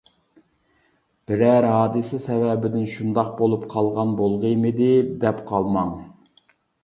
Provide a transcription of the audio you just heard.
بىرەر ھادىسە سەۋەبىدىن شۇنداق بولۇپ قالغان بولغىيمىدى؟ دەپ قالماڭ!